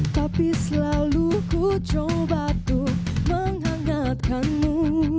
tapi selalu ku coba ku menghangatkanmu